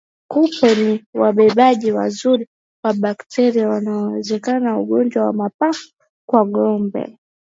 Kupe ni wabebaji wazuri wa bakteria wanaoeneza ugonjwa wa mapafu kwa ngombe